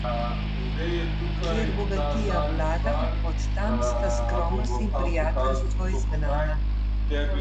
Kjer bogatija vlada, od tam sta skromnost in prijateljstvo izgnana.